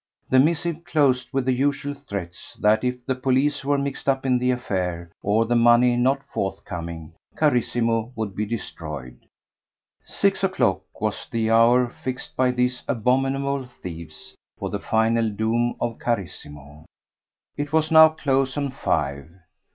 The missive closed with the usual threats that if the police were mixed up in the affair, or the money not forthcoming, Carissimo would be destroyed. Six o'clock was the hour fixed by these abominable thieves for the final doom of Carissimo. It was now close on five.